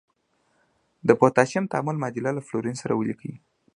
د پوتاشیم تعامل معادله له فلورین سره ولیکئ.